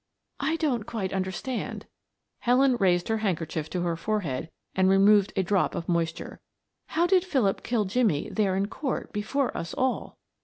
"I don't quite understand" Helen raised her handkerchief to her forehead and removed a drop of moisture. "How did Philip kill Jimmie there in court before us all?"